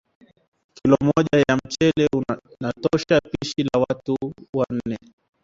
Kilo moja ya mchele unatosha pishi la watu nne